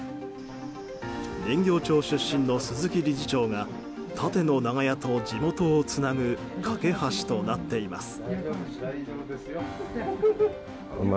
人形町出身の鈴木理事長が縦の長屋と地元をつなぐ架け橋となっています。